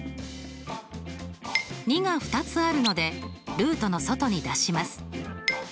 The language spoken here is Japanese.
２が２つあるのでルートの外に出します。